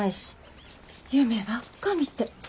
夢ばっかみて。